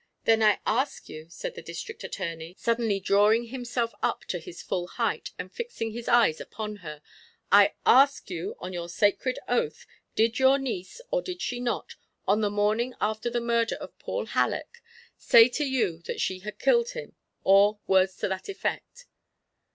"Then I ask you," said the District Attorney, suddenly drawing himself up to his full height, and fixing his eyes upon her, "I ask you, on your sacred oath, did your niece, or did she not, on the morning after the murder of Paul Halleck, say to you that she had killed him, or words to that effect?"